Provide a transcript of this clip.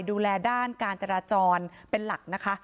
ดูแลด้านการจราจรเป็นหลักนะคะ